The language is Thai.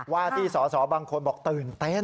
ว่าที่สอสอบางคนบอกตื่นเต้น